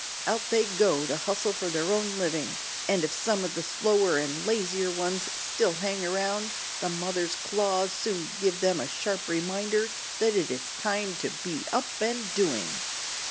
Out they go to hustle for their own living, and if some of the slower and lazier ones still hang around, the mother's claws soon give them a sharp reminder that it is time to be up and doing.